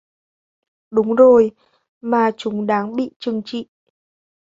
Đúng rồi mà chúng đánh bị trừng trị